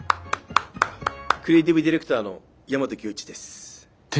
クリエイティブディレクターの大和響一です。